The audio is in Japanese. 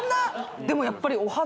でもやっぱりお肌